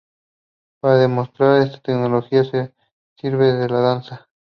Para demostrar esta tecnología se sirve de la danza.